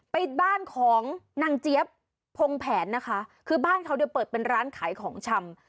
ไปบ้านของนางเจี๊ยบพงแผนนะคะคือบ้านเขาเนี่ยเปิดเป็นร้านขายของชำ